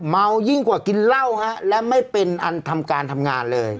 ยิ่งกว่ากินเหล้าฮะและไม่เป็นอันทำการทำงานเลย